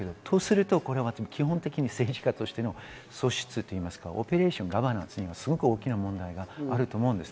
とすると、基本的に政治家としての素質というかオペレーション、ガバナンスにすごく大きな問題があると思います。